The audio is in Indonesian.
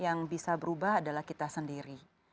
yang bisa berubah adalah kita sendiri